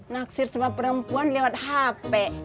naksir sebab perempuan lewat hp